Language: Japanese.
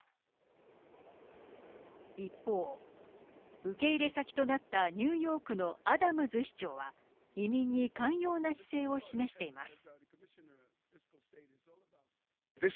一方、受け入れ先となったニューヨークのアダムズ市長は、移民に寛容な姿勢を示しています。